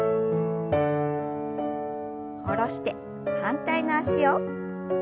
下ろして反対の脚を。